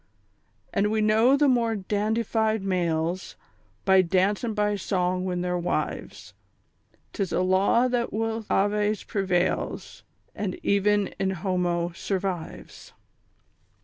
_ "And we know the more dandified males By dance and by song win their wives 'Tis a law that with Aves prevails, And even in Homo _survives."